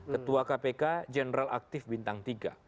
ketua kpk general aktif bintang tiga